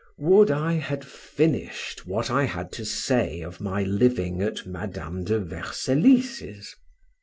Would I had finished what I have to say of my living at Madam de Vercellis's.